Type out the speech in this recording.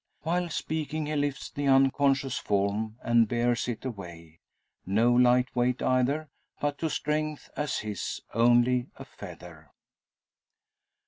While speaking he lifts the unconscious form, and bears it away. No light weight either, but to strength as his, only a feather.